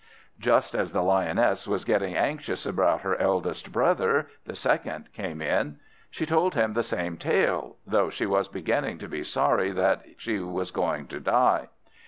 Just as the Lioness was getting anxious about her eldest brother, the second came in. She told him the same tale, though she was beginning to be sorry that she was going to die.